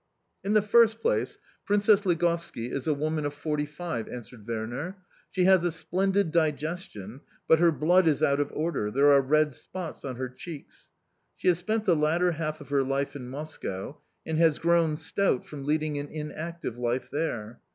"In the first place, Princess Ligovski is a woman of forty five," answered Werner. "She has a splendid digestion, but her blood is out of order there are red spots on her cheeks. She has spent the latter half of her life in Moscow, and has grown stout from leading an inactive life there.